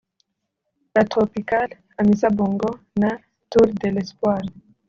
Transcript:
La Tropicale Amissa Bongo na Tour de l’Espoir